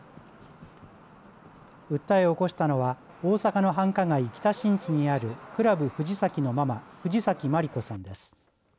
訴えを起こしたのは大阪の繁華街、北新地にあるクラブ藤崎のママ藤崎まり子さんです。